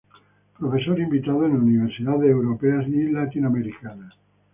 Profesor invitado en universidades europeas y latinoamericanas.